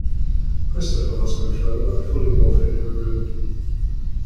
Christopher lost control and fully morphed into a Brood.